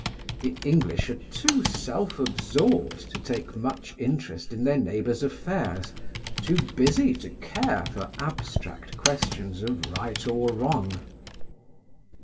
The English are too self absorbed to take much interest in their neighbours' affairs, too busy to care for abstract questions of right or wrong.